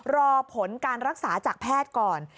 รอผลการรักษาจากแพทย์ก่อน